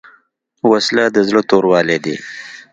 وسله د زړه توروالی دی